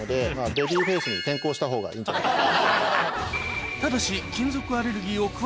ベビーフェイスに転向した方がいいんじゃないか。